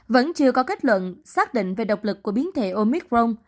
vẫn chưa có kết luận xác định về độc lực của biến thể omicron